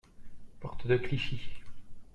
Porte de Clichy.